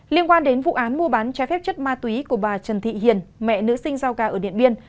liên quan đến vụ án mua bán trái phép chất ma túy của bà trần thị hiền mẹ nữ sinh rau gà ở điện biên